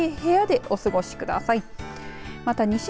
涼しい部屋でお過ごしください。